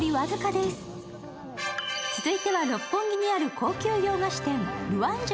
続いては六本木にある高級洋菓子店、ルワンジュ